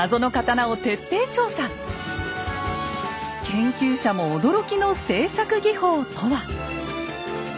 研究者も驚きの製作技法とは。